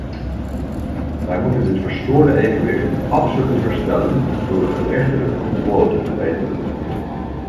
Wij moeten dit verstoorde evenwicht absoluut herstellen door de gerechtelijke controle te verbeteren.